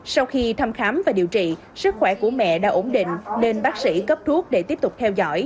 sau khi thăm khám và điều trị sức khỏe của mẹ đã ổn định nên bác sĩ cấp thuốc để tiếp tục theo dõi